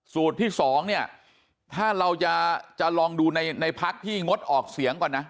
ที่สองเนี่ยถ้าเราจะลองดูในพักที่งดออกเสียงก่อนนะ